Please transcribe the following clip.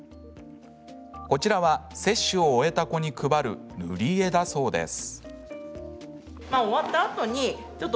こちらは接種を終えた子に配る塗り絵だそうです。